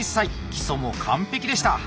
基礎も完璧でした。